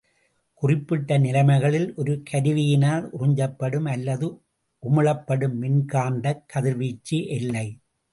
குறிப்பிட்ட நிலைமைகளில் ஒரு கருவியினால் உறிஞ்சப்படும் அல்லது உமிழப்படும் மின்காந்தக் கதிர்வீச்சு எல்லை.